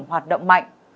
hoạt động mạnh